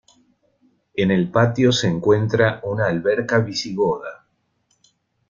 En el patio se encuentra una alberca visigoda.